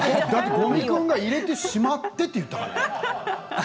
五味君が入れてしまってって言ったから。